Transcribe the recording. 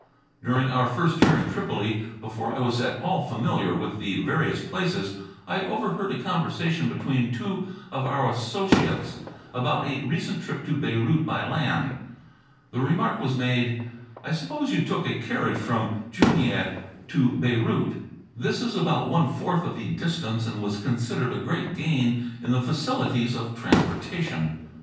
During our first year in Tripoli, before I was at all familiar with the various places, I overheard a conversation between two of our associates about a recent trip to Beirut by land. The remark was made, "I suppose you took a carriage from Junieh to Beirut." This is about one fourth of the distance and was considered a great gain in the facilities of transportation.